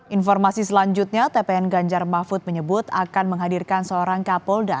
informasi selanjutnya tpn ganjar mahfud menyebut akan menghadirkan seorang kapolda